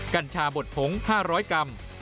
กัญชาบดผง๕๐๐กรัม